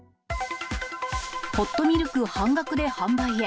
ホットミルク半額で販売へ。